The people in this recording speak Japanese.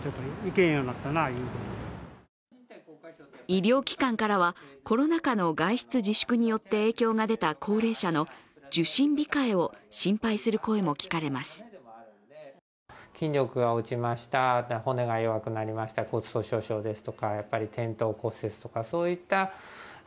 医療機関からはコロナ禍の外出自粛によって影響が出た高齢者の受診控えを心配する声も聞かれます。